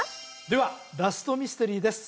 ではラストミステリーです